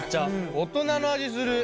大人の味する。